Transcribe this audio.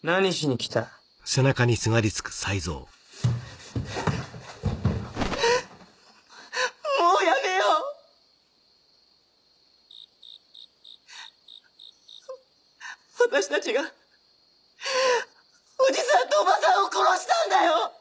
私たちがおじさんとおばさんを殺したんだよ！